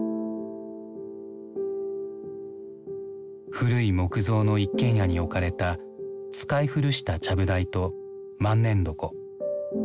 古い木造の一軒家に置かれた使い古したちゃぶ台と万年床。